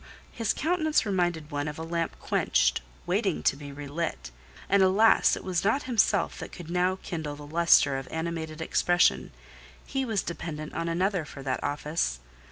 His countenance reminded one of a lamp quenched, waiting to be re lit—and alas! it was not himself that could now kindle the lustre of animated expression: he was dependent on another for that office!